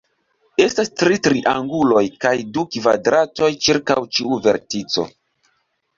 Estas tri trianguloj kaj du kvadratoj ĉirkaŭ ĉiu vertico.